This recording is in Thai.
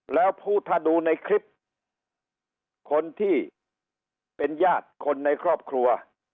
แล้วผู้ถ้าดูในคลิปคนที่เป็นญาติคนในครอบครัว